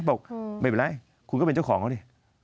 บอกไม่เป็นไรคุณก็เป็นเจ้าของเขาดิ